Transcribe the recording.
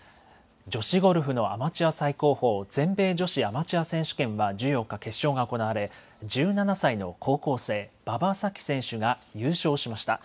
女子ゴルフのアマチュア最高峰、全米女子アマチュア選手権は１４日、決勝が行われ１７歳の高校生馬場咲希選手が優勝しました。